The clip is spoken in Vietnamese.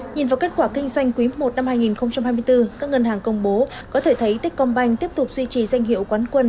nhìn vào kết quả kinh doanh quý i năm hai nghìn hai mươi bốn các ngân hàng công bố có thể thấy techcombank tiếp tục duy trì danh hiệu quán quân